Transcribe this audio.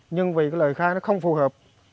nhưng vì cái lời khai nó không phù hợp